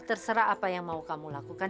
terserah apa yang mau kamu lakukan